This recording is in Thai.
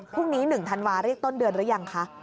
พรุ่งนี้๑ธันวาเรียกต้นเดือนหรือยังคะ